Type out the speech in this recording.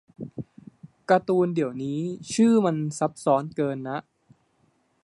การ์ตูนเดี๋ยวนี้ชื่อมันซับซ้อนเกินนะ